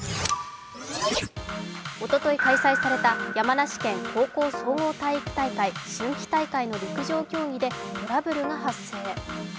おととい開催された山梨県高校総合体育大会春季大会の陸上競技でトラブルが発生。